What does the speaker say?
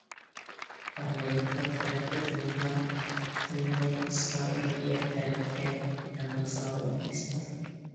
ئامېرىكا تەرەپ ئۆزلىرىنىڭ پۈتۈنلەي ئىسرائىلىيە تەرەپكە يان باسىدىغانلىقىنى ئىسپاتلىدى.